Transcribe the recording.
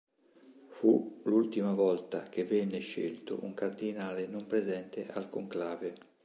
Fu l'ultima volta che venne scelto un cardinale non presente al conclave.